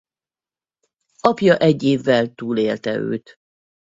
Apja egy évvel túlélte őt.